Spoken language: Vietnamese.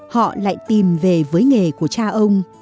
họ lại tìm về với nghề của cha ông